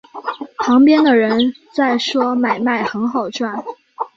旁边的人在说买卖很好赚